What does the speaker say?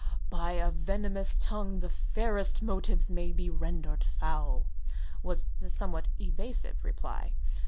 "By a venomous tongue the fairest motives may be rendered foul," was the somewhat evasive reply.